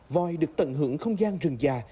voi được tận hưởng không gian rừng già